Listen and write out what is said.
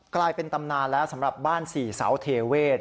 กลายเป็นตำนานแล้วสำหรับบ้านสี่เสาเทเวศ